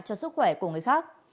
cho sức khỏe của người khác